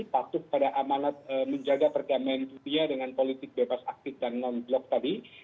patuh pada amanat menjaga perdamaian dunia dengan politik bebas aktif dan non blok tadi